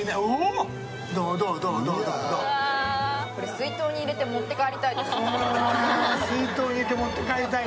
水筒に入れて持って帰りたいって。